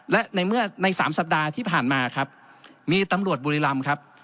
และในเมื่อในสามสัปดาห์ที่ผ่านมาครับมีตำรวจบุรีรำครับ